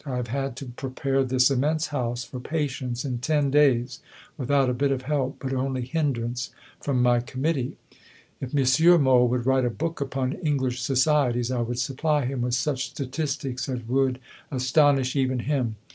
I have had to prepare this immense house for patients in ten days without a bit of help but only hindrance from my Committee. If M. Mohl would write a book upon English societies, I would supply him with such Statistics as would astonish even him.